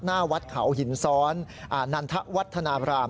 หน้าวัดเขาหินซ้อนนันทวัฒนาบราม